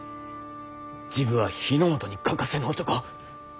治部は日ノ本に欠かせぬ男。